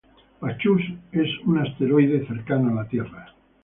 Bacchus es un asteroide cercano a la Tierra.